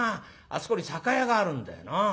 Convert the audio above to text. そこに酒屋があるんだよな。